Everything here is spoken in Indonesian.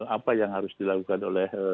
apa yang harus dilakukan oleh